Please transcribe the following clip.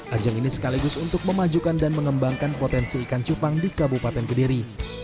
ajang ini sekaligus untuk memajukan dan mengembangkan potensi ikan cupang di kabupaten kediri